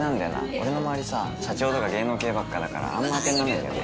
俺の周りさ社長とか芸能系ばっかだからあんまあてにならないんだよね。